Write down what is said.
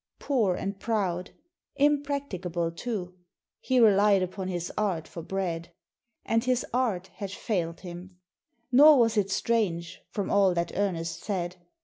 Poor and proud. Impracticable, too. He relied upon his art for bread. And his art had failed him. Nor was it strange, from all that Ernest said.